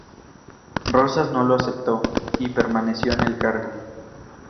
Rosas no lo aceptó, y permaneció en el cargo.